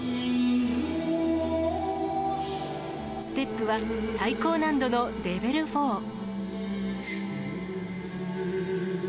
ステップは最高難度のレベルフォー。